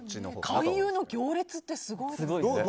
勧誘の行列ってすごいですね。